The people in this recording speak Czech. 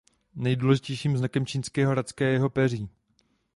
Nejdůležitějším znakem čínského racka je jeho peří.